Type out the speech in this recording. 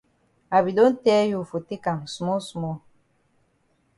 I be don tell you for take am small small.